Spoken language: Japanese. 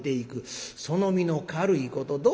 その身の軽いこと。